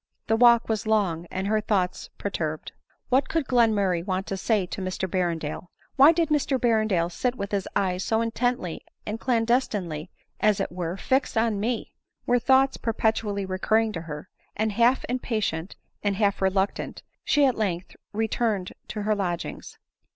The walk was long, and her thoughts perturbed; " What could Glenmurray want to say to Mr Berrendale ? —Why did Mr Berrendale sit with his eyes so intendy and clandestinely, as it were, fixed on me ?" were thoughts perpetually recurring to her ; and half impatient, and hall reluctant, she at length returned to her lodgings.